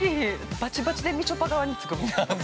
バチバチでみちょぱ側につくもん。